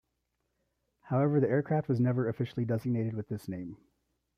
However, the aircraft was never officially designated with this name.